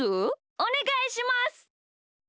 おねがいします。